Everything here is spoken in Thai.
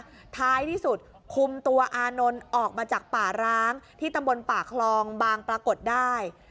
แล้วท้ายที่สุดคุมตัวอานนท์ออกมาจากป่าร้างที่ตำบลป่าคลองบางปรากฏได้